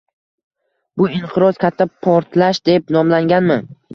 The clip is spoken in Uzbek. Bu inqiroz "Katta portlash" deb nomlanganmi?